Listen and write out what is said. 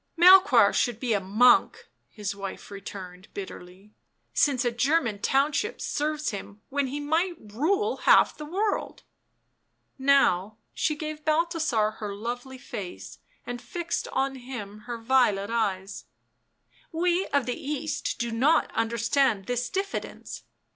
" Melchoir should be a monk," his wife returned bitterly, " since a German township serves him when he might rule half the world." How she gave Bal thasar her lovely face, and fixed on him her violet eyes. " We of the East do not understand this diffidence.